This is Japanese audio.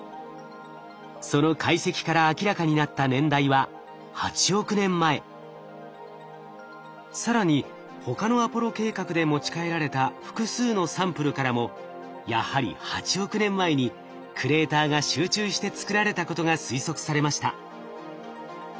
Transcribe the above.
その解析から明らかになった年代は更に他のアポロ計画で持ち帰られた複数のサンプルからもやはり８億年前にクレーターが集中して作られたことが推測されました。